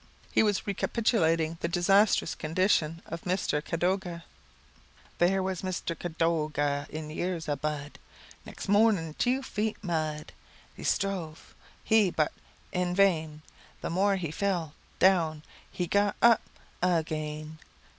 He was recapitulating the disastrous condition of Mr. Cadoga: "There was Mister Ca do ga in years a bud Next morning tew feet mud He strove he but in vain; The more he fell down he got up a g a in.